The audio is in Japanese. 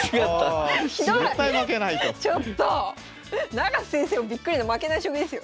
永瀬先生もびっくりの負けない将棋ですよ。